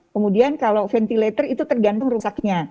kemudian kalau ventilator itu tergantung rusaknya